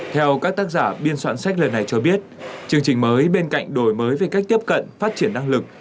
theo các tác giả biên soạn sách lần này cho biết chương trình mới bên cạnh đổi mới về cách tiếp cận phát triển năng lực